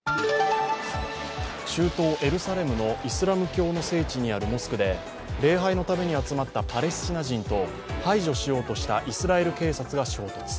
中東エルサレムのイスラム教の聖地にあるモスクで礼拝のために集まったパレスチナ人と排除しようとしたイスラエル警察が衝突。